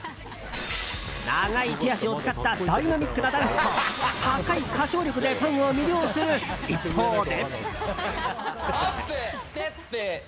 長い手足を使ったダイナミックなダンスと高い歌唱力でファンを魅了する一方で。